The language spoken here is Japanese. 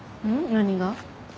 何が？